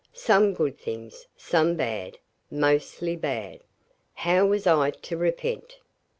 Some good things some bad mostly bad. How was I to repent?